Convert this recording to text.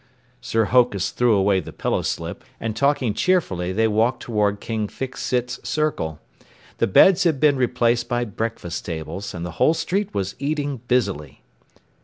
Sir Hokus threw away the pillowslip, and talking cheerfully they walked toward King Fix Sit's circle. The beds had been replaced by breakfast tables, and the whole street was eating busily.